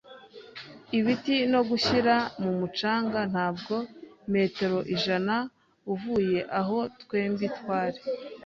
ibiti no gushira mumucanga ntabwo metero ijana uvuye aho twembi twari